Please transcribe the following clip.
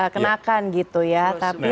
kenakan gitu ya tapi